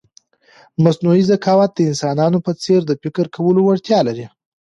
مصنوعي ذکاوت د انسانانو په څېر د فکر کولو وړتیا لري.